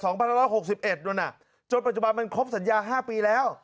๒๑๖๑นู่นน่ะจนปัจจุบันมันครบสัญญา๕ปีแล้ว